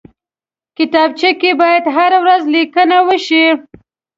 کتابچه کې باید هره ورځ لیکنه وشي